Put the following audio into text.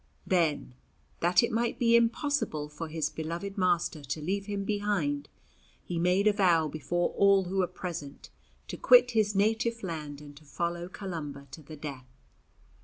Then, that it might be impossible for his beloved master to leave him behind, he made a vow before all who were present to quit his native land and to follow Columba to the death.